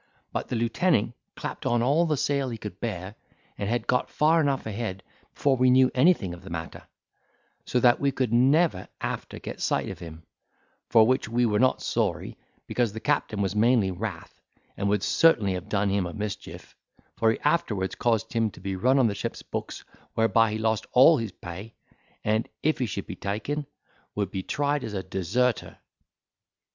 But the lieutenant clapped on all the sail he could bear, and had got far enough ahead before we knew anything of the matter; so that we could never after get sight of him, for which we were not sorry, because the captain was mainly wrath, and would certainly have done him a mischief; for he afterwards caused him to be run on the ship's books, whereby he lost all his pay, and, if he should be taken, would be tried as a deserter."